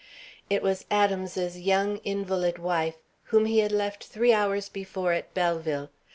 It was Adams's young, invalid wife, whom he had left three hours before at Belleville.